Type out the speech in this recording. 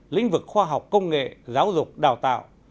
lĩnh vực khoa học công nghệ giáo dục đào tạo